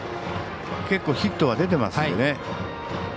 結構ヒットは出てますので。